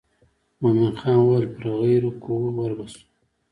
مومن خان وویل پر غیر کوو ور به شو.